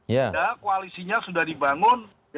ya koalisinya sudah dibangun